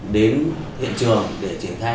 đến hiện trường để triển khai